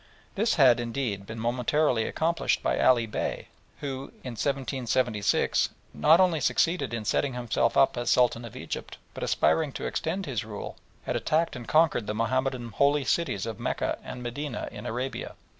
This had, indeed, been momentarily accomplished by Ali Bey, who, in 1766, not only succeeded in setting himself up as Sultan of Egypt, but aspiring to extend his rule, had attacked and conquered the Mahomedan holy cities of Mecca and Medina in Arabia.